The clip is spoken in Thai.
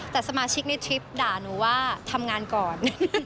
แต่สมาชิกในทริปด่าหนูว่าทำงานก่อน